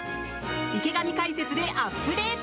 池上解説でアップデート！